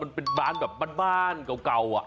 มันเป็นบ้านแบบบ้านเก่า